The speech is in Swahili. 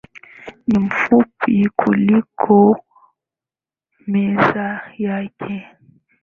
Ni mfupi kuliko meza yake.